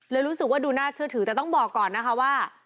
รู้สึกว่าดูน่าเชื่อถือแต่ต้องบอกก่อนนะคะว่า